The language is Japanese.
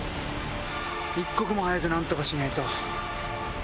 一刻も早く何とかしないと。